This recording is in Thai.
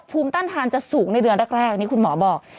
ภูมิต้านทานจะสูงในเดือนแรกนี่คุณหมอบอก